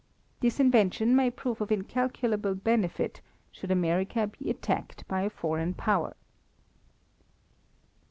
This invention may prove of incalculable benefit should America be attacked by a foreign power.